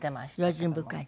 用心深い？